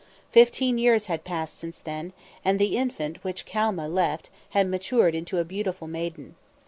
Fifteen years had passed since then, and the infant which Calma left had matured into a beautiful maiden.